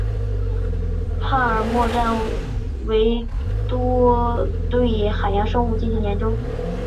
帕尔默站多为对海洋生物进行研究。